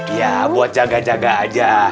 ya buat jaga jaga aja